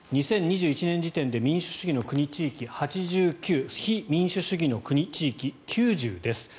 ２０２１年時点で民主主義の国・地域、８９非民主主義の国・地域９０です。